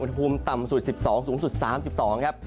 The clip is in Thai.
อุณหภูมิต่ำสุด๑๒สูงสุด๓๒ครับ